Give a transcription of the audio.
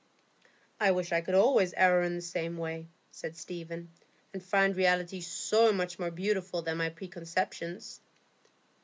"I wish I could always err in the same way," said Stephen, "and find reality so much more beautiful than my preconceptions."